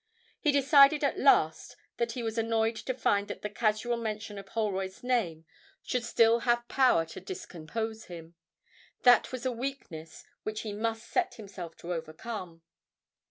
He decided at last that he was annoyed to find that the casual mention of Holroyd's name should still have power to discompose him that was a weakness which he must set himself to overcome.